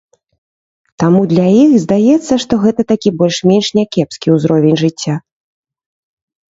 Таму для іх здаецца, што гэта такі больш-менш някепскі ўзровень жыцця.